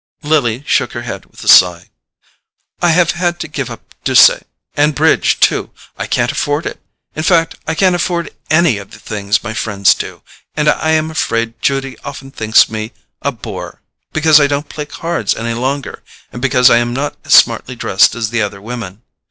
Lily shook her head with a sigh. "I have had to give up Doucet; and bridge too—I can't afford it. In fact I can't afford any of the things my friends do, and I am afraid Judy often thinks me a bore because I don't play cards any longer, and because I am not as smartly dressed as the other women.